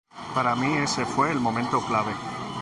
Para mí ese fue el momento clave".